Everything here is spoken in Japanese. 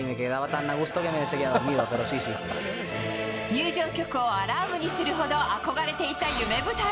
入場曲をアラームにするほど憧れていた夢舞台。